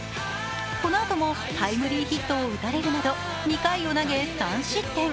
このあともタイムリーヒットを打たれるなど２回を投げ３失点。